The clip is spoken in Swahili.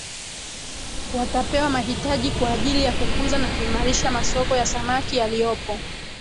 Watapewa mahitaji kwa ajili ya kukuza na kuimarisha masoko ya samaki yaliyopo